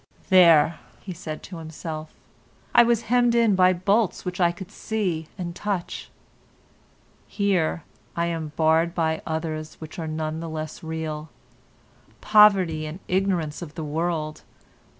"There," he said to himself, "I was hemmed in by bolts which I could see and touch; here I am barred by others which are none the less real—poverty and ignorance of the world.